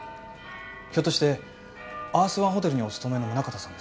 ひょっとしてアースワンホテルにお勤めの宗形さんですか？